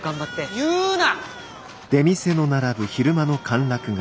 言うな！